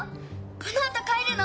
このあとかえるの？